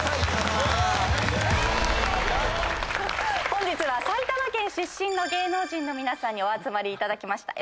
本日は埼玉県出身の芸能人の皆さんにお集まりいただきました。